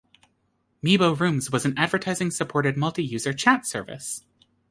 Meebo Rooms was an advertising-supported multi-user chat service.